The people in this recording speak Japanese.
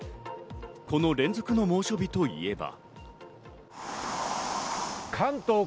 この連続の猛暑日といえば。